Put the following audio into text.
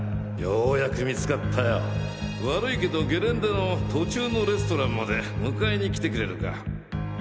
ようやく見つかったよ悪いけどゲレンデの途中のレストランまで迎えに来てくれるか？